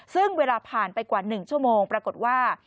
ซึ่งเวลาผ่านไปกว่า๑ชั่วโมงปรากฏว่า